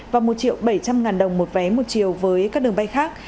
và một bảy trăm linh ngàn đồng một vé một chiều với các đường bay khác